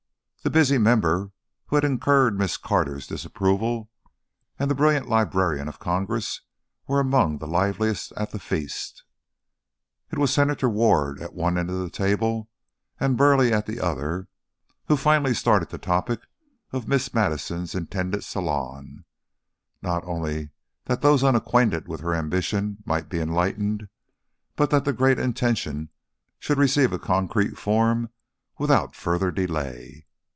The busy member who had incurred Miss Carter's disapproval and the brilliant Librarian of Congress were among the liveliest at the feast. It was Senator Ward at one end of the table and Burleigh at the other, who finally started the topic of Miss Madison's intended salon, not only that those unacquainted with her ambition might be enlightened, but that the great intention should receive a concrete form without further delay.